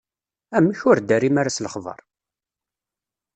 Amek, ur d-terrim ara s lexbaṛ?